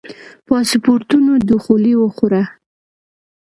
پاسپورتونو دخولي وخوړه.